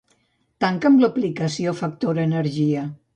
Tanca'm l'aplicació Factor Energia.